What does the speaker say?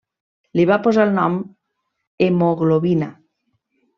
Li va posar el nom hemoglobina.